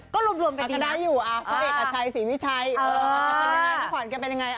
ก็รวมกันดีนะพ่อเอกอาชัยสีวิชัยเออเป็นยังไงพ่อขวัญแกเป็นยังไง